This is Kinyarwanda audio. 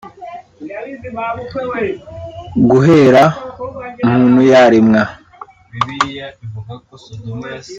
Guhera muntu yaremwa